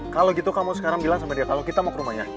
kalau gitu kamu sekarang bilang sama dia kalau kita mau ke rumahnya